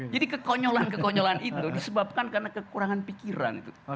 jadi kekonyolan kekonyolan itu disebabkan karena kekurangan pikiran